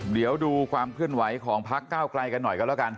เดี๋ยวดูความเคลื่อนไหวของพักเก้าไกลกันหน่อยกันแล้วกัน